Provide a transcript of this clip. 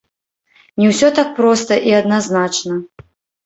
Не ўсё так проста і адназначна.